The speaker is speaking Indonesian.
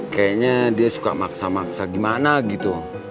kayaknya dia suka maksa maksa gimana gitu